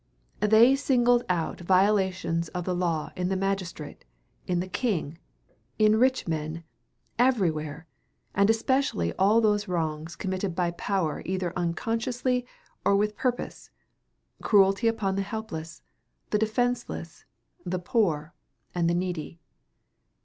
They singled out violations of the law in the magistrate, in the king, in rich men, everywhere, and especially all those wrongs committed by power either unconsciously or with purpose, cruelty upon the helpless, the defenseless, the poor and the needy.